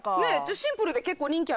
シンプルで結構人気あるんですよ。